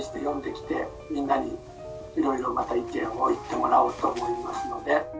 読んできてみんなにいろいろまた意見を言ってもらおうと思いますので。